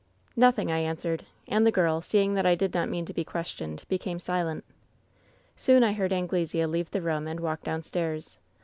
" ^Nothing/ I answered. And the girl, seeing that I did not mean to be questioned, became silent. "Soon I heard Anglesea leave the room and walk downstairs.